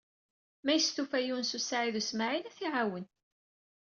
Ma yestufa Yunes u Saɛid u Smaɛil, ad t-iɛawen.